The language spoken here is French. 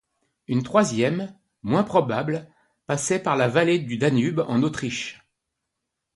Une troisième, moins probable, passait par la vallée du Danube en Autriche.